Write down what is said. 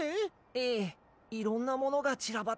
ええいろんなものがちらばっていて。